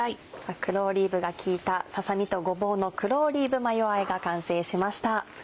黒オリーブが利いた「ささ身とごぼうの黒オリーブマヨあえ」が完成しました。